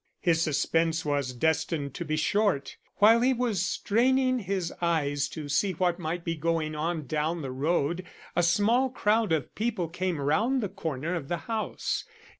His suspense was destined to be short. While he was straining his eyes to see what might be going on down the road, a small crowd of people came round the corner of the house.